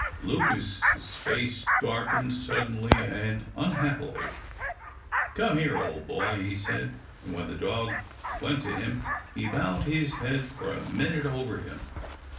Lucas's face darkened suddenly, and unhappily. "Come here, ole boy," he said, and when the dog went to him, he bowed his head for a minute over him.